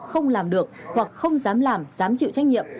không làm được hoặc không dám làm dám chịu trách nhiệm